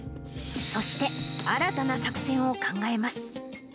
そして新たな作戦を考えます。